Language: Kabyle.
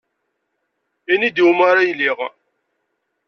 Ini-d, iwumi ara iliɣ